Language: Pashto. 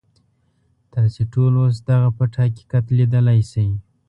تاسې ټول اوس دغه پټ حقیقت ليدلی شئ.